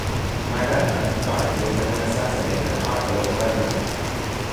By that time, Garfield had been assassinated and Arthur was president.